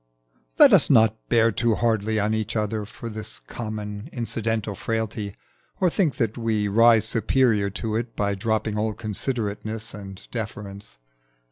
Let us not bear too hardly on each other for this common incidental frailty, or think that we rise superior to it by dropping all considerateness and deference.